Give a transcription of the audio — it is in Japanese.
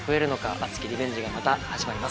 熱きリベンジがまた始まります。